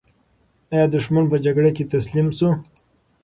ایا دښمن په جګړه کې تسلیم شو؟